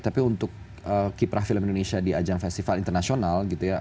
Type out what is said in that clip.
tapi untuk kiprah film indonesia di ajang festival internasional gitu ya